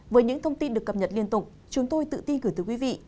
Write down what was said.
với những thông tin được cập nhật liên tục chúng tôi tự ti gửi tới quý vị